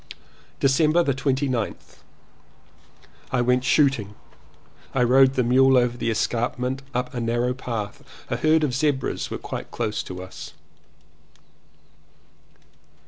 December 29th. I went shooting. I rode the mule over the escarpment up a narrow path. A herd of zebras were quite close to us.